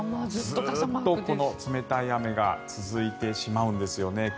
ずっとこの冷たい雨が続いてしまうんですよね。